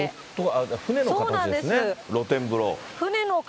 船の形ですね、露天風呂。